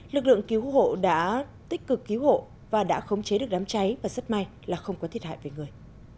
lực lượng cứu hộ đã tích cực cứu hộ và đã khống chế được đám cháy và rất may là không có thiệt hại về người